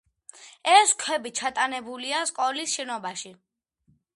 ეს ქვები ჩატანებულია სკოლის შენობაში.